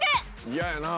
嫌やなぁ。